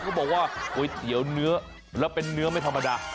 เขาบอกว่าก๋วยเตี๋ยวเนื้อแล้วเป็นเนื้อไม่ธรรมดา